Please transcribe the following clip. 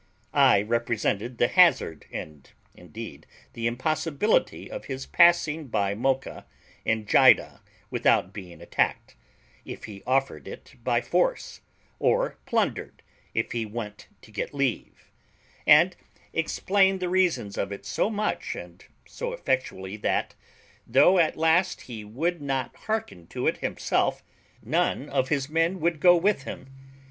I represented the hazard, and indeed the impossibility, of his passing by Mocha and Jiddah without being attacked, if he offered it by force, or plundered, if he went to get leave; and explained the reasons of it so much and so effectually, that, though at last he would not hearken to it himself, none of his men would go with him.